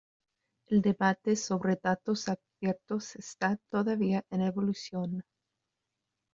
El debate sobre Datos abiertos está todavía en evolución.